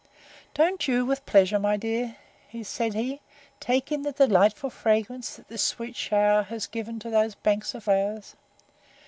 Don't you with pleasure, my dear, said he, take in the delightful fragrance that this sweet shower has given to these banks of flowers?